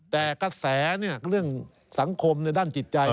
แต่กระแสเรื่องสังคมในด้านจิตใจ